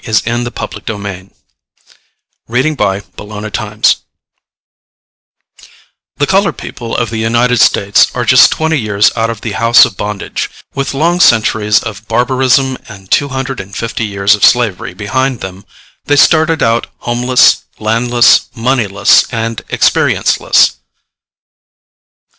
THE COLORED PEOPLE AT THE NEW ORLEANS EXPOSITION. The colored people of the United States are just twenty years out of the house of bondage. With long centuries of barbarism and two hundred and fifty years of slavery behind them, they started out homeless, landless, moneyless and experienceless.